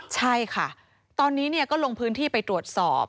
ใช่ค่ะตอนนี้ก็ลงพื้นที่ไปตรวจสอบ